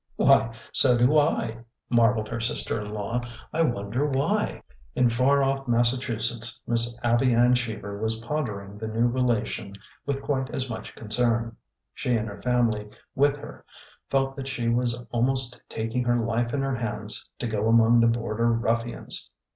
Why, so do I !" marveled her sister in law. I wonder why." In far off Massachusetts Miss Abby Ann Cheever was pondering the new relation with quite as much concern. She and her family with her felt that she was almost tak ing her life in her hands to go among the border ruf fians."